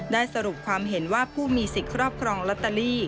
ได้สรุปความเห็นว่าผู้มีสิทธิ์ครอบครองลอตเตอรี่